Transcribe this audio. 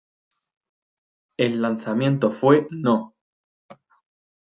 El lanzamiento fue no.